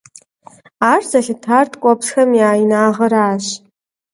Ар зэлъытар ткӀуэпсхэм я инагъыращ.